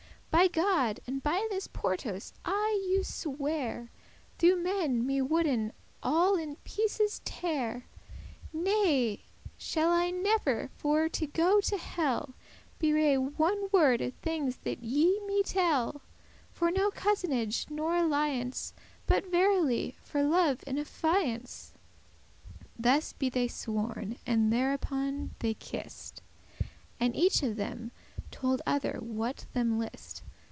By God and by this portos I you swear, Though men me woulden all in pieces tear, Ne shall I never, for* to go to hell, *though I should Bewray* one word of thing that ye me tell, *betray For no cousinage, nor alliance, But verily for love and affiance."* *confidence, promise Thus be they sworn, and thereupon they kiss'd, And each of them told other what them list.